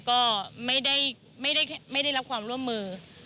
ก็ไม่ได้รับความร่วมมือ